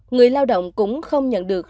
người lao động cũng không nhận được